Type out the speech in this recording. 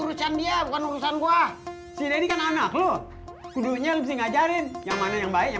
urusan dia bukan urusan gua sih ini kan anak lo kudunya lu ngajarin yang mana yang baik yang